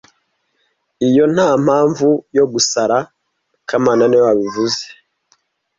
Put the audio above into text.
Iyo ntampamvu yo gusara kamana niwe wabivuze